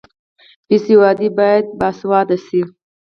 بې سواده باید باسواده شي